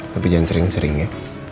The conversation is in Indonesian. tapi jangan sering sering ya